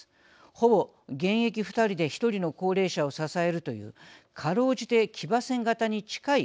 ほぼ現役２人で１人の高齢者を支えるというかろうじて騎馬戦型に近い構図になっています。